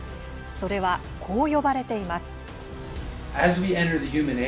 それは、こう呼ばれています。